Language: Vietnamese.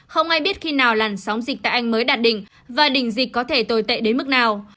không ai biết khi nào làn sóng dịch tại anh mới đạt đỉnh và đỉnh dịch có thể tồi tệ đến mức nào